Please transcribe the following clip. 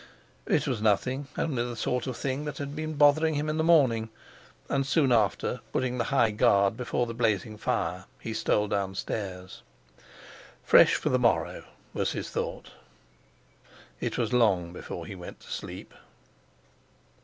It was nothing—only the sort of thing that had been bothering him in the morning. And soon after, putting the high guard before the blazing fire, he stole downstairs. Fresh for the morrow! was his thought. It was long before he went to sleep....